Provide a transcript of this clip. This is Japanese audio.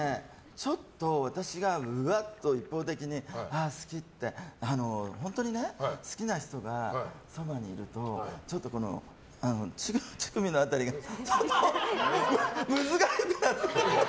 ちょっと私がうわっと一方的に好きって本当に好きな人がそばにいるとちょっと乳首の辺りがむずがゆくなってきて。